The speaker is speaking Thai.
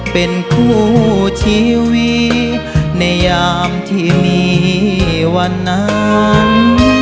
เป็นคู่ชีวิตในยามที่มีวันนั้น